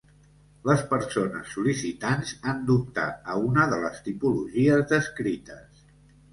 Les persones sol·licitants han d'optar a una de les tipologies descrites.